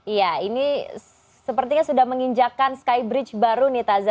iya ini sepertinya sudah menginjakan skybridge baru nih taza